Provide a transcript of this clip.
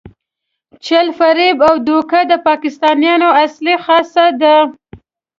چل، فریب او دوکه د پاکستانیانو اصلي خاصه ده.